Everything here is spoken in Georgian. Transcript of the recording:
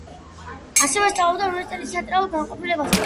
ასევე სწავლობდა უნივერსიტეტის თეატრალურ განყოფილებაზე.